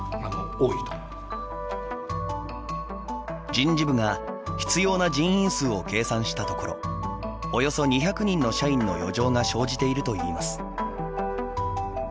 人事部が必要な人員数を計算したところおよそ２００人の社員の余剰が生じているといいます。